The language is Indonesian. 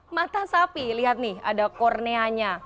mata sapi lihat nih ada korneanya